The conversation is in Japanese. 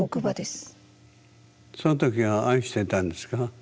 その時は愛してたんですか？